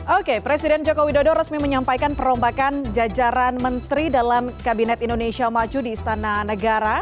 oke presiden joko widodo resmi menyampaikan perombakan jajaran menteri dalam kabinet indonesia maju di istana negara